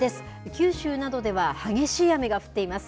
九州などでは激しい雨が降っています。